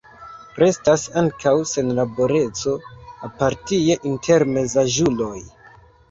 Restas ankaŭ senlaboreco aparte inter mezaĝuloj.